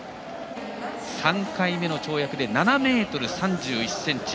３回目の跳躍で７ｍ３１ｃｍ。